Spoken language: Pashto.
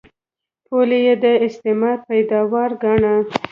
پولې یې د استعمار پیداوار ګاڼه.